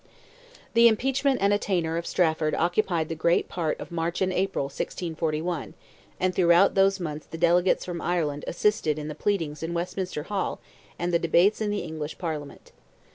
The impeachment and attainder of Strafford occupied the great part of March and April, 1641, and throughout those months the delegates from Ireland assisted at the pleadings in Westminster Hall and the debates in the English Parliament.